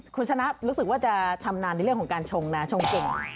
คุณชนะรู้สึกว่าจะชำนาญในเรื่องของการชงนะชงเก่ง